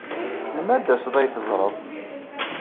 Melmi ad taseḍ ad iyi-teẓṛeḍ?